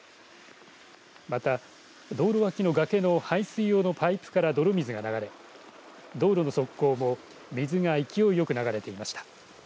また、道路脇の崖の排水用のパイプから泥水が流れ、道路の側溝も水が勢いよく流れていました。